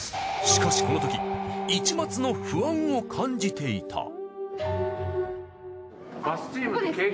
しかしこのとき一抹の不安を感じていた。